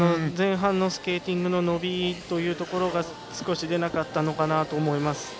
前半のスケーティングの伸びが少し出なかったのかなと思います。